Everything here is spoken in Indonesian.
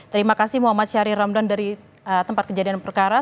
terima kasih muhammad syahrir ramdan dari tempat kejadian perkara